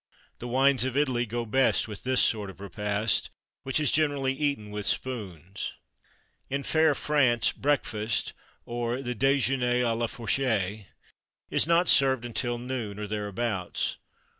The wines of Italy go best with this sort of repast, which is generally eaten with "spoons." In fair France, breakfast, or the déjeûner à la fourchette, is not served until noon, or thereabouts.